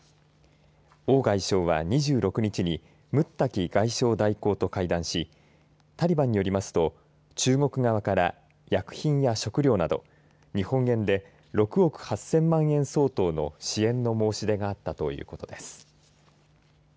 王外相は２６日にムッタキ外相代行と会談しタリバンによりますと中国側から薬品や食糧など、日本円で６億８０００万円相当の支援の申し出があったということです。